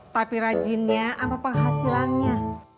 tapi rajinnya sama penghasilannya